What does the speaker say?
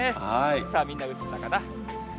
さあ、みんな映ったかな？